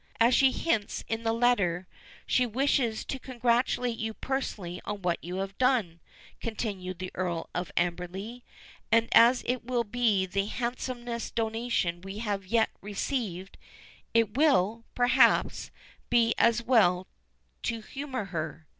"As she hints in the letter, she wishes to congratulate you personally on what you have done," continued the Earl of Amberley; "and as it will be the handsomest donation we have yet received, it will, perhaps, be as well to humor her."